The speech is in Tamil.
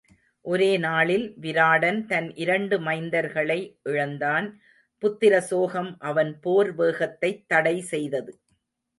ஒரே நாளில் விராடன் தன் இரண்டு மைந்தர்களை இழந்தான் புத்திர சோகம் அவன் போர் வேகத்தைத் தடை செய்தது.